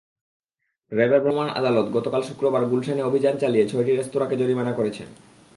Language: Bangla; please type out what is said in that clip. র্যাবের ভ্রাম্যমাণ আদালত গতকাল শুক্রবার গুলশানে অভিযান চালিয়ে ছয়টি রেস্তোরাঁকে জরিমানা করেছেন।